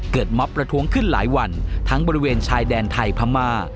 ม็อบประท้วงขึ้นหลายวันทั้งบริเวณชายแดนไทยพม่า